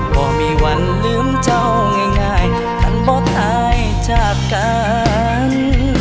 บอกมีวันลืมเจ้าง่ายท่านบ่ตายจากกัน